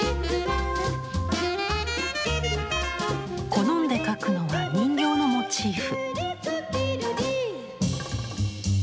好んで描くのは人形のモチーフ。